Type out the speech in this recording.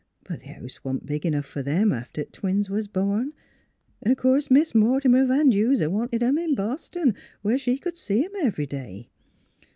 But th' house wa'n't big enough f'r them after th' twins was born. An' o' course Mis' Mort'mer Van Duser wanted 'em in Boston, where she c'd see 'em ev'ry day.